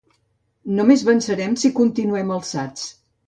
Només vencerem si continuem alçats.